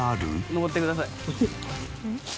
上ってください。